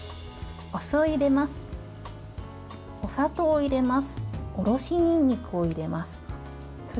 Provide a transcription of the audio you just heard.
お酢を入れます。